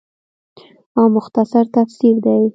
او مختصر تفسير دے